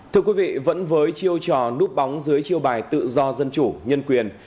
thưa quý vị vẫn với chiêu trò núp bóng dưới chiêu bài tự do dân chủ nhân quyền